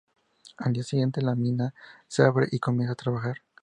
Al día siguiente, la mina se abre y comienza a trabajar.